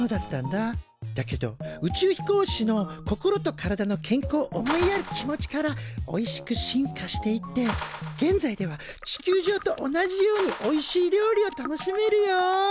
だけど宇宙飛行士の心と体の健康を思いやる気持ちからおいしく進化していって現在では地球上と同じようにおいしい料理を楽しめるよ。